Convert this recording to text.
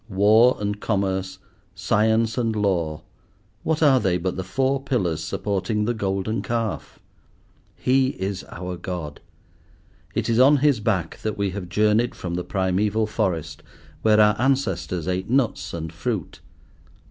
War and Commerce, Science and Law! what are they but the four pillars supporting the Golden Calf? He is our God. It is on his back that we have journeyed from the primeval forest, where our ancestors ate nuts and fruit.